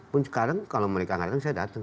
pun sekarang kalau mereka tidak datang saya datang